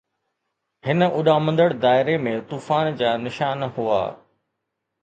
هن اڏامندڙ دائري ۾ طوفان جا نشان هئا.